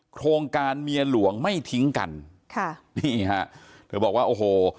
โครงการเมียหลวงไม่ทิ้งกันค่ะนี่ฮะเธอบอกว่าโอ้โห